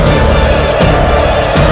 nya di halaman caj mentah